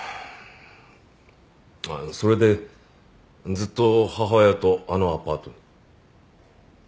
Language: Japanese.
それでずっと母親とあのアパートに？